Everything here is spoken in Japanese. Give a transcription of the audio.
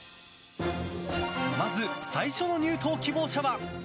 まず最初の入党希望者は。